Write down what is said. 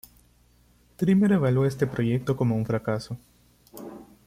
Trimmer evaluó este proyecto como un fracaso.